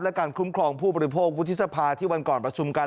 และการคุ้มครองผู้บริโภควุฒิสภาที่วันก่อนประชุมกัน